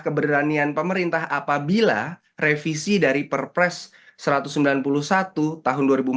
keberanian pemerintah apabila revisi dari perpres satu ratus sembilan puluh satu tahun dua ribu empat belas